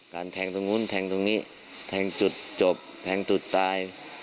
แทงตรงนู้นแทงตรงนี้แทงจุดจบแทงจุดตาย